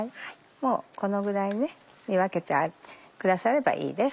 もうこのぐらいに分けてくださればいいです。